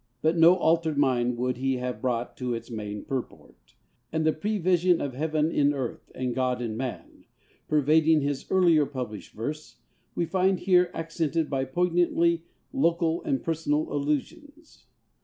But no altered mind would he have brought to its main purport; and the prevision of "Heaven in Earth and God in Man," pervading his earlier published verse, we find here accented by poignantly local and personal allusions.